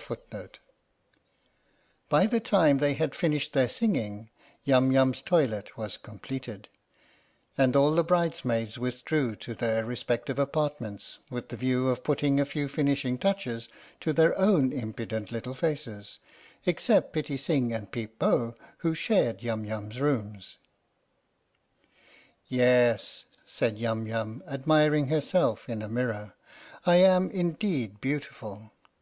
f By the time they had finished their singing, Yum Yum's toilet was completed, and all the bridesmaids withdrew to their respective apartments with the view of putting a few finishing touches to their own impudent little faces, except Pitti Sing and Peep Bo, who shared Yum Yum's rooms. "Yes," said Yum Yum, admiring herself in a mirror, "I am indeed beautiful!